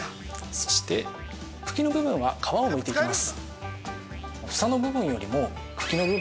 そして、茎の部分は皮をむいていきます。